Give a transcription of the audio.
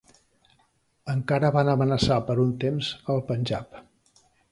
Encara van amenaçar per un temps el Panjab.